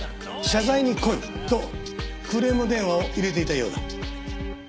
謝罪に来い」とクレーム電話を入れていたようだ。